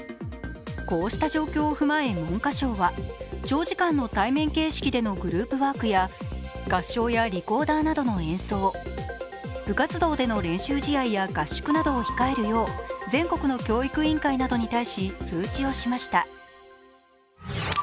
こうした状況を踏まえ文科省は、長時間の対面形式のグループワークや合唱やリコーダーなどの演奏、部活動での練習試合や合宿などを控えるよう全国の教育委員会に対し通知しました。